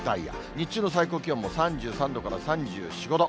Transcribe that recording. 日中の最高気温も３３度から３４、５度。